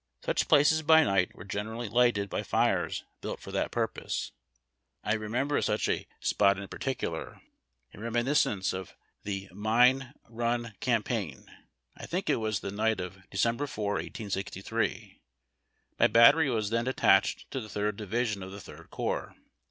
Such places by night were generally lighted by fires built for that purpose. I remember such a spot in particular — a THE FLANKERS. reminiscence of the Mine Run Campaign ; I think it was the night of Dec. 4, 1863. My battery was then attached to the Third Division of the Tliird Corps.